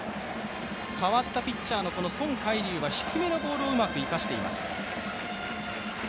代わったピッチャーのソン・カイリュウは低めのボールをうまく生かしています。